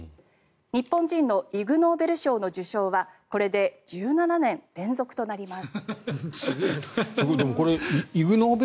日本人のイグノーベル賞の受賞はこれで１７年連続となります。